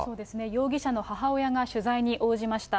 容疑者の母親が取材に応じました。